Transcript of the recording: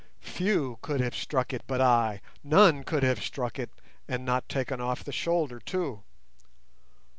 Few could have struck it but I; none could have struck it and not taken off the shoulder too.